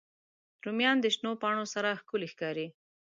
رومیان د شنو پاڼو سره ښکلي ښکاري